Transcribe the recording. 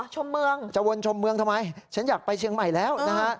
ชมเมืองจะวนชมเมืองทำไมฉันอยากไปเชียงใหม่แล้วนะฮะ